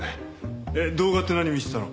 動画って何見てたの？